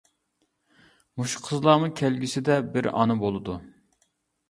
مۇشۇ قىزلارمۇ كەلگۈسىدە بىر ئانا بولىدۇ.